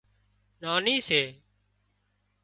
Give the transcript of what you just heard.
ناني سي